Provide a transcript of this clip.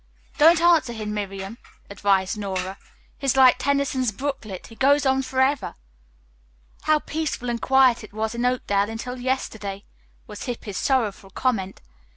"Don't answer him, Miriam," advised Nora. "He is like Tennyson's 'Brooklet,' he goes on forever." "How peaceful and quiet it was in Oakdale until yesterday," was Hippy's sorrowful comment.